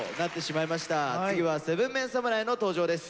次は７ＭＥＮ侍の登場です。